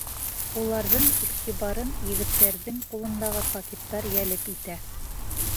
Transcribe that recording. Уларҙың иғтибарын егеттәрҙең ҡулындағы пакеттар йәлеп итә.